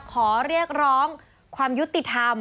สวัสดีค่ะต้องรับคุณผู้ชมเข้าสู่ชูเวสตีศาสตร์หน้า